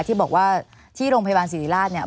ที่บอกว่าที่โรงพยาบาลศิริราชเนี่ย